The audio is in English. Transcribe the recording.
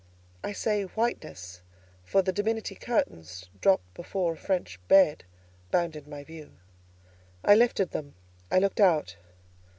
I say whiteness—for the dimity curtains, dropped before a French bed, bounded my view. I lifted them; I looked out.